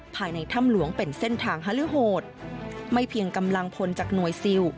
ภายในถ้ำหลวงเป็นเส้นทางฮาลื้อโหดไม่เพียงกำลังพลจากหน่วยซิล